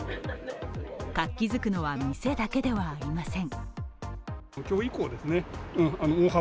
活気づくのは店だけではありません。